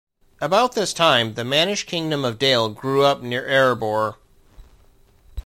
About this time, the Mannish Kingdom of Dale grew up near Erebor.